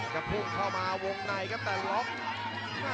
พุ่งเข้ามาวงในครับแต่ล็อก